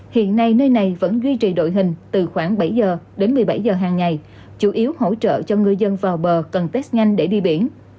hiện nay nơi này vẫn duy trì đội hình từ khoảng bảy giờ đến một mươi bảy giờ hàng ngày chủ yếu hỗ trợ cho ngư dân vào bờ cần test nhanh để đi biển